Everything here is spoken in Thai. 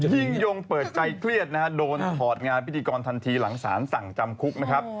ยิ่งยงเปิดใจเครียดนะฮะโดนถอดงานพิธีกรทันทีหลังสารสั่งจำคุกนะครับ